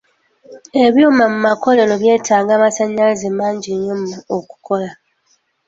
Ebyuma mu makolero byetaaga amasannyalaze mangi nnyo okukola.